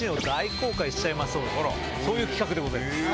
しちゃいましょうそういう企画でございます。